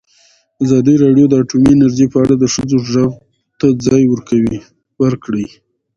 ازادي راډیو د اټومي انرژي په اړه د ښځو غږ ته ځای ورکړی.